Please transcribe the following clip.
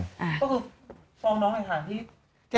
ก็คือฟองน้องอาหารที่